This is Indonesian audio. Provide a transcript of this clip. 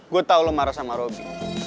gue tau lu marah sama robby